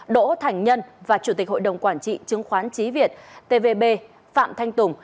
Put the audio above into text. đỗ thành nhân và chủ tịch hội đồng quản trị chứng khoán trí việt tvb phạm thanh tùng